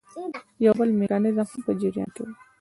خو یو بل میکانیزم هم په جریان کې وو.